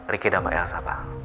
ricky dan mbak elsa pak